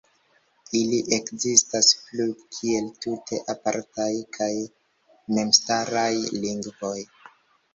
Ili ekzistas plu kiel tute apartaj kaj memstaraj lingvoj.